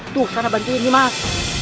tuh sana bantuin mas